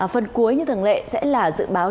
phần cuối như thường lệ sẽ là dự báo